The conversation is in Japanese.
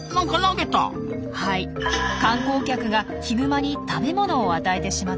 観光客がヒグマに食べ物を与えてしまったんです。